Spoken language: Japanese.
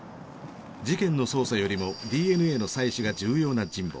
事件の捜査よりもＤＮＡの採取が重要な神保。